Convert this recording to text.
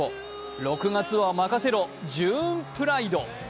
６月は任せろ、ジューンプライド。